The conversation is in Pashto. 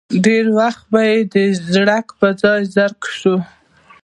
ډېری وخت به یې د ژړک پر ځای زرک شو.